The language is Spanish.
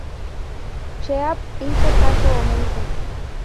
Cheap hizo caso omiso.